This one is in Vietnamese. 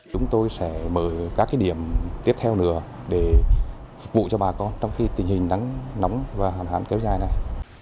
chúng tôi sẽ mở các điểm tiếp theo nữa để phục vụ cho bà con trong tình hình nắng nóng và hàn hạn kéo dài này